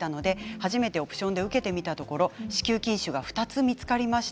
初めてオプションで受けてみたら子宮筋腫が２つ見つかりました。